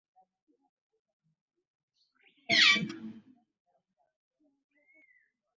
Kiki abawangulwa ku bukulembeze kyebagenda okuzaako?